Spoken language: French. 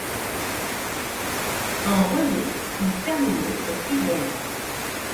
En relais, il terminait au sixième rang.